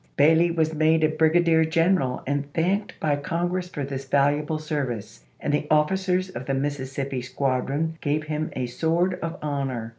Bailey was made a Brigadier i864. General and thanked by Congress for this valuable service, and the officers of the Mississippi squad ron gave him a sword of honor.